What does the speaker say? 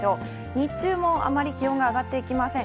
日中もあまり気温が上がっていきません。